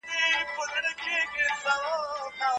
همدا لاره تر ټولو اغېزناکه ده.